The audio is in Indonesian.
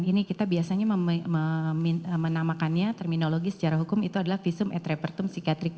ini kita biasanya meminta menamakannya terminologi secara hukum itu adalah visum etropotum psikiatrik